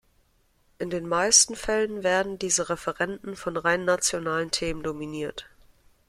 In den meisten Fällen werden diese Referenden von rein nationalen Themen dominiert.